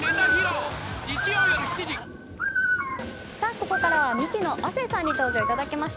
ここからはミキの亜生さんに登場いただきました。